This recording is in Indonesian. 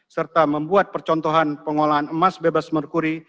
serta membuat percontohan pengolahan emas bebas merkuri